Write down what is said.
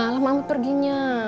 lama amat perginya